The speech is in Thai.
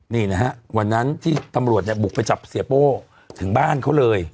นี่นะฮะวันนั้นที่ตำรวจเนี่ยบุกไปจับเสียโป้ถึงบ้านเขาเลย